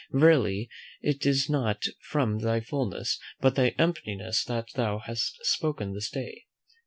Verily, it is not from thy fulness, but thy emptiness that thou hast spoken this day.